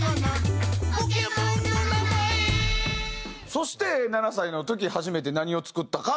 そして７歳の時初めて何を作ったか？